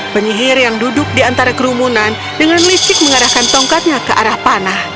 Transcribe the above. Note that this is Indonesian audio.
penyihir yang duduk di antara kerumunan dengan licik mengarahkan tongkatnya ke arah panah